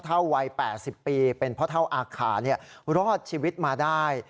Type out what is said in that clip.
วัย๘๐ปีเป็นพ่อเท่าอาคารอดชีวิตมาได้